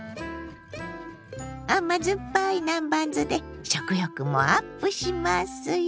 甘酸っぱい南蛮酢で食欲もアップしますよ！